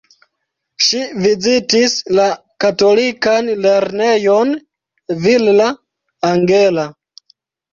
Ŝi vizitis la katolikan lernejon Villa Angela.